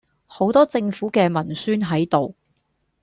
好多政府既文宣係度